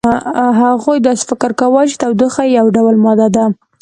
هغوی داسې فکر کاوه چې تودوخه یو ډول ماده ده.